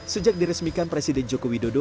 sejak diresmikan presiden joko widodo